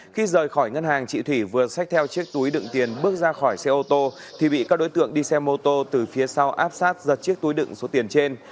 khi rời khỏi ngân hàng chị thủy vừa xách theo chiếc túi đựng tiền bước ra khỏi xe ô tô thì bị các đối tượng đi xe mô tô từ phía sau áp sát giật chiếc túi đựng số tiền trên